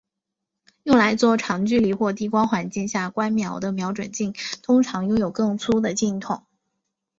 用来做长距离或低光环境下观瞄的瞄准镜通常拥有更粗的镜筒。